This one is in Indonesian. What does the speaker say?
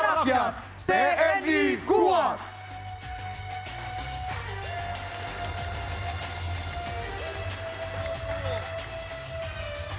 dari tengah tengah samudra